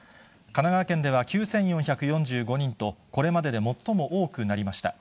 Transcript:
神奈川県では９４４５人と、これまでで最も多くなりました。